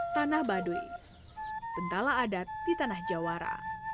tanah baduy bentala adat di tanah jawara